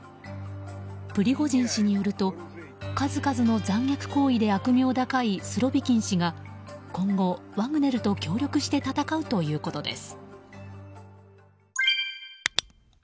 プリゴジン氏によると数々の残虐行為で悪名高いスロビキン氏が、今後ワグネルと協力して戦うということです。